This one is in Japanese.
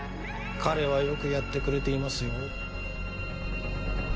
彼はよくやってくれていますよ。